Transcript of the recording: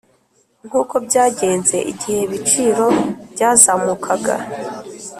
Nk’ uko byagenze igihe ibiciro byazamukaga